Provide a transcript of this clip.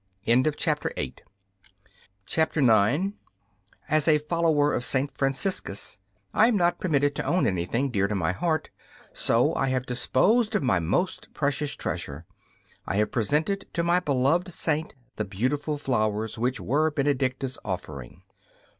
9 As a follower of Saint Francisais, I am not permitted to own anything dear to my heart, so I have disposed of my most precious treasure; I have presented to my beloved Saint the beautiful flowers which were Benedicta's offering.